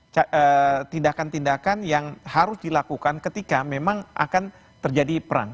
jadi tindakan tindakan yang harus dilakukan ketika memang akan terjadi perang